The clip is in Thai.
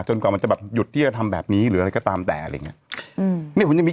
จนกว่ามันจะหยุดที่จะทำแบบนี้อะไรก็ตามแต่อะไรอย่างงี้